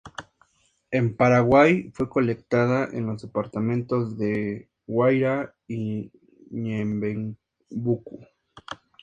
En Paraguay fue colectada en los departamentos de Guairá y Ñeembucú.